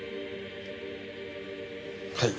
はい。